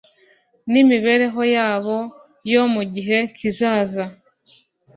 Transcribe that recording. n'imibereho yabo yo mu gihe kizaza